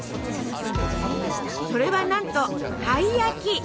それはなんとたい焼き！